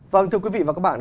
vâng thưa quý vị và các bạn